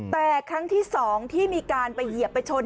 แต่ครั้งที่๒ที่มีการไปเหยียบไปชน